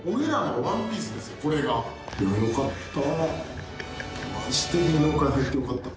よかった。